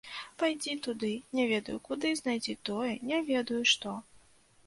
Пайдзі туды, не ведаю куды, знайдзі тое, не ведаю што.